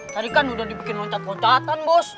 tadi kan udah dibikin locat loncatan bos